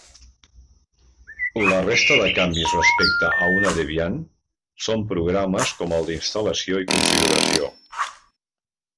La resta de canvis respecte a una Debian són programes com el d'instal·lació i configuració.